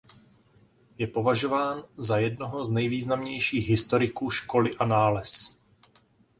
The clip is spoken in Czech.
Je považován za jednoho z nejvýznamnějších historiků školy Annales.